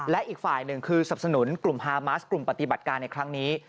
และอีกฝ่ายหนึ่งคือสับสนุนกลุ่มฮามาสกลุ่มปฏิบัติการในครั้งนี้